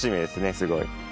すごい。